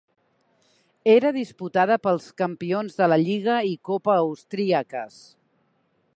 Era disputada pels campions de la lliga i copa austríaques.